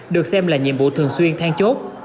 được xem là nhiệm vụ thường xuyên than chốt